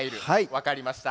わかりました。